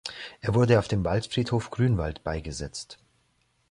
Er wurde auf dem Waldfriedhof Grünwald beigesetzt.